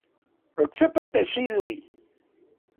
Oksepa techilui